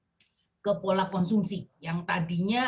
adanya pergeseran perilaku masyarakat ke pola konsumsi yang tadinya